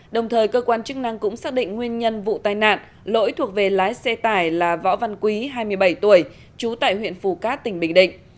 đồng thời cơ quan chức năng cũng xác định nguyên nhân vụ tai nạn lỗi thuộc về lái xe tải là võ văn quý hai mươi bảy tuổi trú tại huyện phù cát tỉnh bình định